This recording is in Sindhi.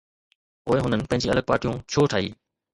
پوءِ هنن پنهنجي الڳ پارٽيون ڇو ٺاهي؟